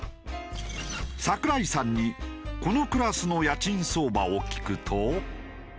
櫻井さんにこのクラスの家賃相場を聞くと。